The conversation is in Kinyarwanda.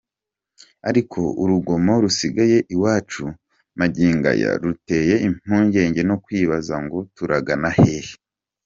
Ariko urugomo rusigaye iwacu magingo aya ruteye impungenge no kwibaza ngo turagana hehe?